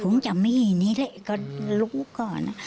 พึ่งจะมีนี่เลยก็ลุกก่อนนะ